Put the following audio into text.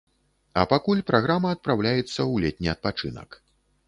А пакуль праграма адпраўляецца ў летні адпачынак.